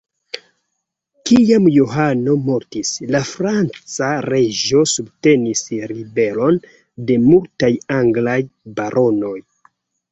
Kiam Johano mortis, la franca reĝo subtenis ribelon de multaj anglaj baronoj.